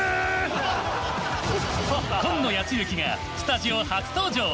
今野泰幸がスタジオ初登場。